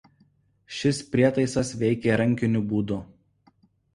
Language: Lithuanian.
Šis prietaisas veikė rankiniu būdu.